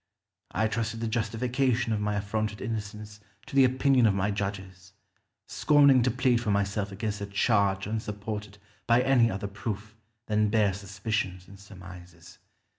I trusted the justification of my affronted innocence to the opinion of my judges, scorning to plead for myself against a charge unsupported by any other proof than bare suspicions and surmises.